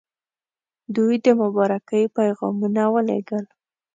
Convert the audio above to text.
دوی د مبارکۍ پیغامونه ولېږل.